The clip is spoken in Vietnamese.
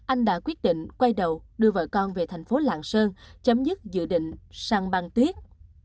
anh đã quyết định quay đầu đưa vợ con về thành phố lạng sơn chấm dứt dự định săn băng tuyết